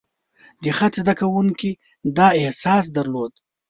د خط زده کوونکي دا احساس درلود.